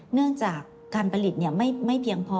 เนื่องจากการผลิตไม่เพียงพอ